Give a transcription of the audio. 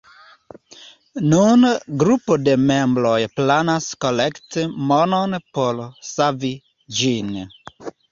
Nun grupo de membroj planas kolekti monon por savi ĝin.